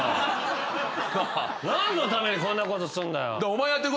何のためにこんなことすんだよ。